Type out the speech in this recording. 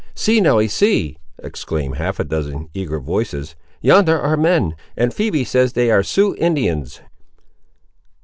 "See, Nelly, see!" exclaimed half a dozen eager voices; "yonder ar' men; and Phoebe says that they ar' Sioux Indians!"